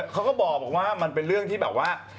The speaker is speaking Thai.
เขาก็บอกว่ามันเป็นเรื่องที่แบบว่า